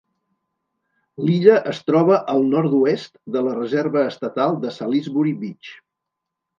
L'illa es troba al nord-oest de la reserva estatal de Salisbury Beach.